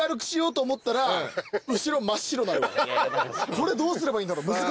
これどうすればいいんだろう難しいな。